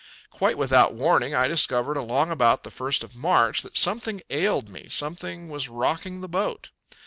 Quite without warning, I discovered along about the first of March that something ailed me; something was rocking the boat.